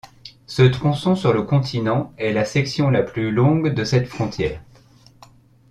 Ce tronçon sur le continent est la section la plus longue de cette frontière.